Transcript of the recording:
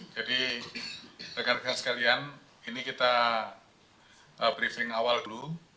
jadi rekan rekan sekalian ini kita briefing awal dulu